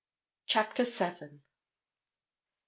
CHAPTER SEVEN MR.